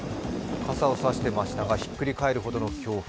傘を差していましたが、ひっくり返るほどの強風。